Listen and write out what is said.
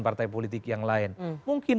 partai politik yang lain mungkin